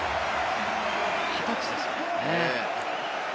２０歳ですよね。